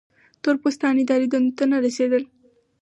تور پوستان اداري دندو ته نه رسېدل.